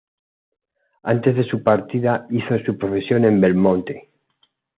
Antes de su partida hizo su profesión en Belmonte.